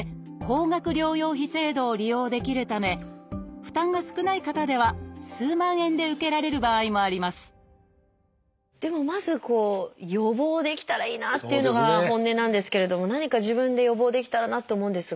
負担が少ない方では数万円で受けられる場合もありますでもまず予防できたらいいなっていうのが本音なんですけれども何か自分で予防できたらなって思うんですが。